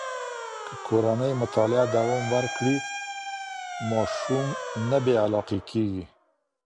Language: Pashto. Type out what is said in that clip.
که کورنۍ مطالعه دوام ورکړي، ماشوم نه بې علاقې کېږي.